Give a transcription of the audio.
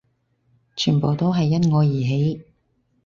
全部都係因我而起